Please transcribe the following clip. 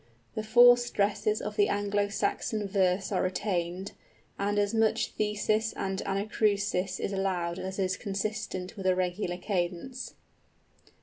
The four stresses of the Anglo Saxon verse are retained, and as much thesis and anacrusis is allowed as is consistent with a regular cadence.